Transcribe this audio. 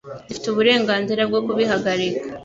zifite uburenganzira bwo kbihagarika